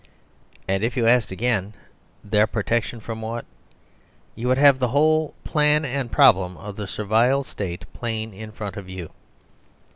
And if you asked again "Their protection from what?" you would have the whole plan and problem of the Servile State plain in front of you.